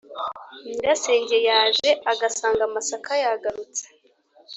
nyirasenge yaje agasanga amasaka yagarutse